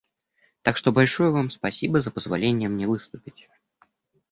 Так что большое Вам спасибо за позволение мне выступить.